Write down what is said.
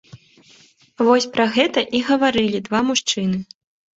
Вось пра гэта і гаварылі два мужчыны.